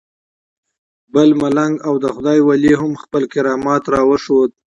بل ملنګ او د خدای ولی هم خپل کرامت راوښود.